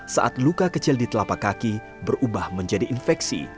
saat luka kecil di telapak kaki berubah menjadi infeksi